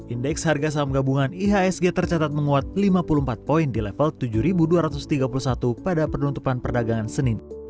indeks harga saham gabungan ihsg tercatat menguat lima puluh empat poin di level tujuh dua ratus tiga puluh satu pada penutupan perdagangan senin